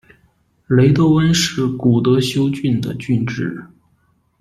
雷德温是古德休郡的郡治。